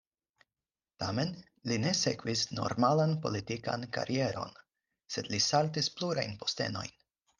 Tamen, li ne sekvis normalan politikan karieron, sed li saltis plurajn postenojn.